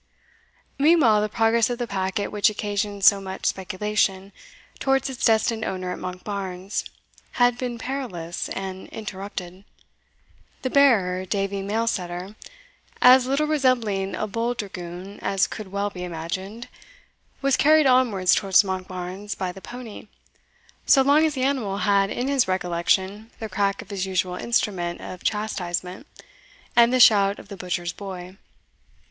Meanwhile the progress of the packet which occasioned so much speculation, towards its destined owner at Monkbarns, had been perilous and interrupted. The bearer, Davie Mailsetter, as little resembling a bold dragoon as could well be imagined, was carried onwards towards Monkbarns by the pony, so long as the animal had in his recollection the crack of his usual instrument of chastisement, and the shout of the butcher's boy.